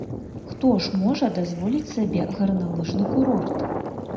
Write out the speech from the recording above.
Хто ж можа дазволіць сабе гарналыжны курорт?